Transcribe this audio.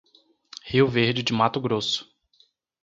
Rio Verde de Mato Grosso